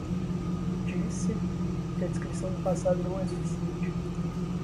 Diz-se que a descrição do passado não é suficiente